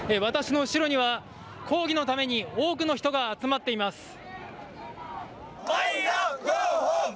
私の後ろには抗議のために多くの人が集まっています。